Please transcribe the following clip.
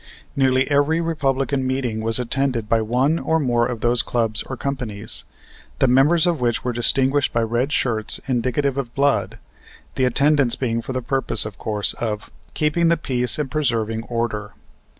Nearly every Republican meeting was attended by one or more of those clubs or companies, the members of which were distinguished by red shirts, indicative of blood, the attendance being for the purpose, of course, of "keeping the peace and preserving order."